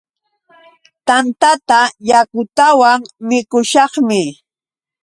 Tantata yakutawan mikushaqmi.